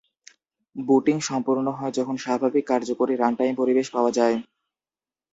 Booting সম্পূর্ণ হয় যখন স্বাভাবিক, কার্যকরী, রানটাইম পরিবেশ পাওয়া যায়।